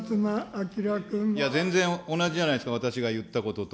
いや、全然同じじゃないですか、私が言ったことと。